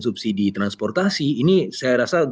subsidi transportasi ini saya rasa